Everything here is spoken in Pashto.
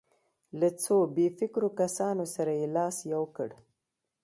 له څو بې فکرو کسانو سره یې لاس یو کړ.